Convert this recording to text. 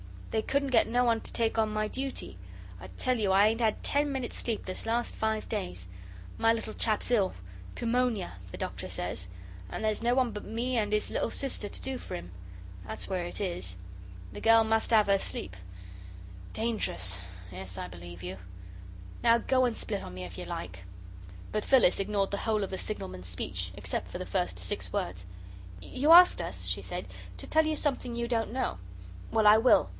They couldn't get no one to take on my duty. I tell you I ain't had ten minutes' sleep this last five days. My little chap's ill pewmonia, the Doctor says and there's no one but me and 'is little sister to do for him. That's where it is. The gell must 'ave her sleep. Dangerous? Yes, I believe you. Now go and split on me if you like." "Of course we won't," said Peter, indignantly, but Phyllis ignored the whole of the signalman's speech, except the first six words. "You asked us," she said, "to tell you something you don't know. Well, I will.